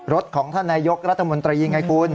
รถของท่านนายกรัฐมนตรีไงกุ้น